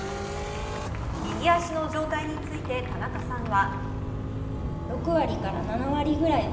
右足の状態について田中さんは。